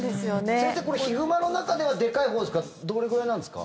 先生、これヒグマの中ではでかいほうですか？